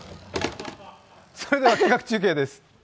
それでは企画中継です。